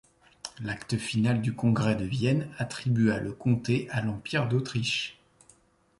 L'acte final du Congrès de Vienne attribua le comté à l'Empire d'Autriche.